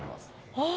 ああ。